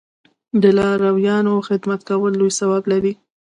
د لارویانو خدمت کول لوی ثواب لري.